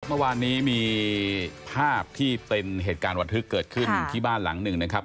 เมื่อวานนี้มีภาพที่เป็นเหตุการณ์ระทึกเกิดขึ้นที่บ้านหลังหนึ่งนะครับ